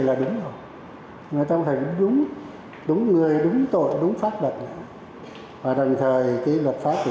là đúng rồi người ta phải đúng người đúng tội đúng pháp luật nữa và đồng thời cái luật pháp của